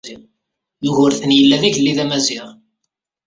Yugurten yella d agellid amaziɣ.